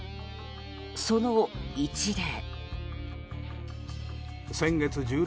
その一例。